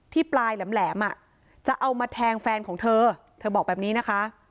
ปลายแหลมอ่ะจะเอามาแทงแฟนของเธอเธอบอกแบบนี้นะคะ